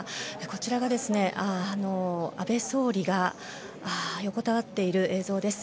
こちらが安倍総理が横たわっている映像です。